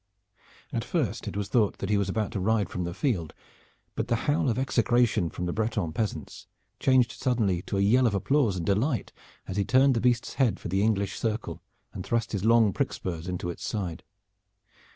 At first it was thought that he was about to ride from the field, but the howl of execration from the Breton peasants changed suddenly to a yell of applause and delight as he turned the beast's head for the English circle and thrust his long prick spurs into its side.